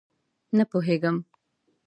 _نه پوهېږم.